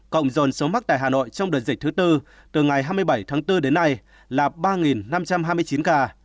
cộng dồn số mắc tại hà nội trong đợt dịch thứ tư từ ngày hai mươi bảy tháng bốn đến nay là ba năm trăm hai mươi chín ca